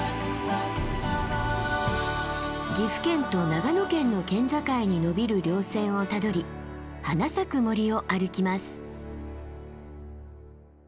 岐阜県と長野県の県境にのびる稜線をたどり花咲く森を歩きます。